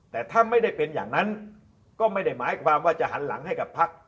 แต่ถ้าไม่ได้เป็นอย่างนั้นก็ไม่ได้หมายความว่าจะหันหลังให้กับพัก